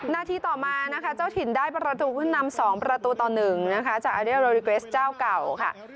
นาทีต่อมานะคะเจ้าถิ่นได้ประตูขึ้นนำสองประตูต่อหนึ่งนะคะจากเจ้าเก่าค่ะ